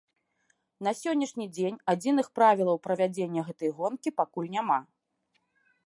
На сённяшні дзень адзіных правілаў правядзення гэтай гонкі пакуль няма.